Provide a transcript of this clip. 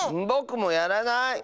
ぼくもやらない！